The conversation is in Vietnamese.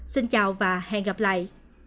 xin chào và hẹn gặp lại